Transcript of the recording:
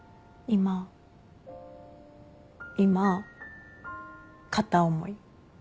今片思い。